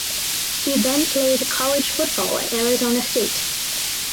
He then played college football at Arizona State.